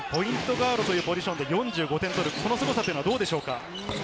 ガードというポジションで４５点取る、このすごさはどうでしょうか？